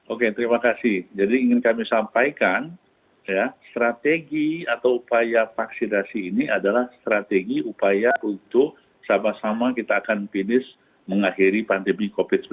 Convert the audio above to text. oke terima kasih jadi ingin kami sampaikan strategi atau upaya vaksinasi ini adalah strategi upaya untuk sama sama kita akan finish mengakhiri pandemi covid sembilan belas